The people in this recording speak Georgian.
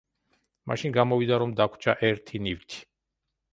მაშინ გამოვიდა, რომ დაგვრჩა ერთი ნივთი.